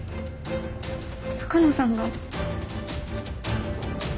鷹野さんが？